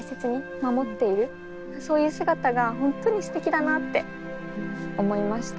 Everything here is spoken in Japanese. そういう姿が本当にすてきだなって思いました。